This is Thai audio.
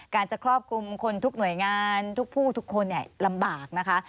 การจะครอบคลุมคนทุกหน่วยงานทุกผู้ทุกคนลำบากนะคะ